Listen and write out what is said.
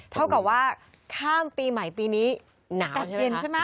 เท่ากับว่าข้างปีใหม่ปีนี้หนาวใช่ไหม